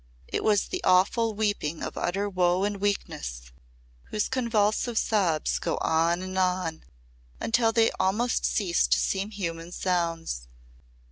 It was the awful weeping of utter woe and weakness whose convulsive sobs go on and on until they almost cease to seem human sounds.